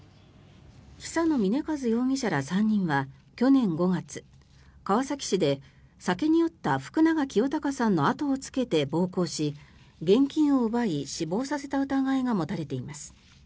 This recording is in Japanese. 久野峰一容疑者ら３人は去年５月川崎市で酒に酔った福永清貴さんの後をつけて暴行し現金を奪い、死亡させた疑いが持たれています。